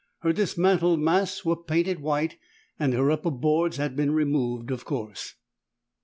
Her dismantled masts were painted white, and her upper boards had been removed, of course.